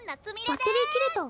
バッテリー切れた。